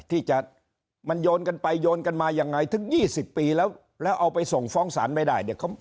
ที่จะมันโยนกันไปโยนกันมายังไงถึง๒๐ปีแล้วแล้วเอาไปส่งฟ้องศาลไม่ได้เนี่ย